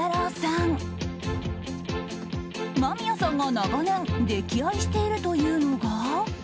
［間宮さんが長年溺愛しているというのが］